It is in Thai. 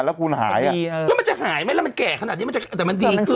แล้วคุณหายอ่ะแล้วมันจะหายไหมแล้วมันแก่ขนาดนี้มันจะแต่มันดีขึ้น